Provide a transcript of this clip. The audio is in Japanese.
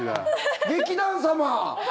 劇団様！